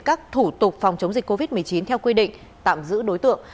các thủ tục phòng chống dịch covid một mươi chín theo quy định tạm giữ đối tượng